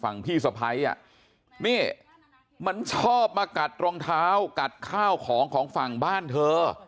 พี่สะพ้ายอ่ะนี่มันชอบมากัดรองเท้ากัดข้าวของของฝั่งบ้านเธอ